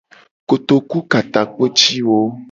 Kotoku ka takpo ci wo.